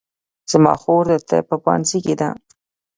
زما خور د طب په پوهنځي کې ده